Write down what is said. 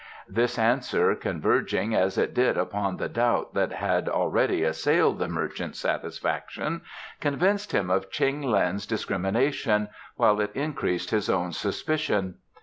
This answer, converging as it did upon the doubts that had already assailed the merchant's satisfaction, convinced him of Cheng Lin's discrimination, while it increased his own suspicion.